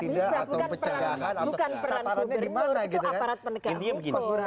tidak bisa bukan peran gubernur itu aparat menegak hukum